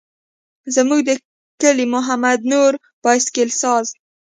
زموږ د کلي محمد نور بایسکل ساز.